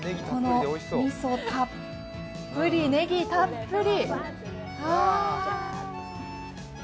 みそたっぷり、ねぎたっぷり。